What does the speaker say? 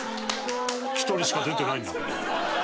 「１人しか出てないんだから」